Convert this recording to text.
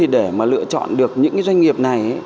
để lựa chọn được những doanh nghiệp này